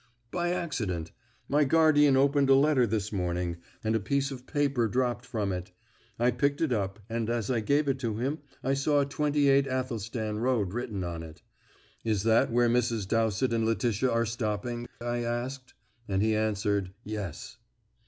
"By accident. My guardian opened a letter this morning, and a piece of paper dropped from it. I picked it up, and as I gave it to him I saw 28 Athelstan Road written on it. 'Is that where Mrs. Dowsett and Letitia are stopping?' I asked; and he answered, 'Yes.'"